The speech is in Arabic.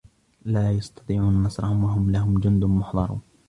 لَا يَسْتَطِيعُونَ نَصْرَهُمْ وَهُمْ لَهُمْ جُنْدٌ مُحْضَرُونَ